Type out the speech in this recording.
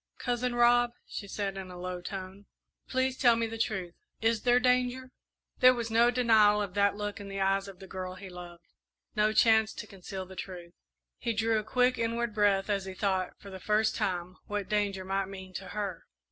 "Cousin Rob," she said, in a low tone, "please tell me the truth is there danger?" There was no denial of that look in the eyes of the girl he loved, no chance to conceal the truth. He drew a quick inward breath as he thought, for the first time, what danger might mean to her.